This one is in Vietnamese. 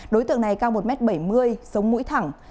đối tượng này cao một m bảy mươi sống mũi thẳng